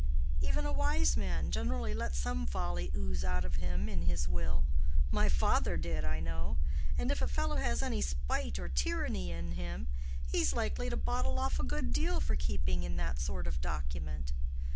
Even a wise man generally lets some folly ooze out of him in his will—my father did, I know; and if a fellow has any spite or tyranny in him, he's likely to bottle off a good deal for keeping in that sort of document.